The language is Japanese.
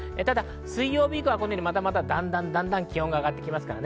ただ、水曜日以降はまただんだん気温が上がってきます。